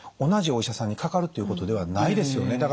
同じお医者さんにかかるっていうことではないですよね？